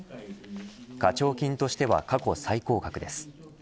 課徴金としては過去最高額です。